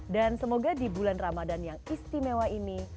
dan semoga di bulan ramadan yang istimewa ini